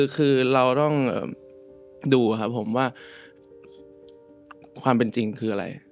คือเราต้องดูครับผมว่าความเป็นจริงคืออะไร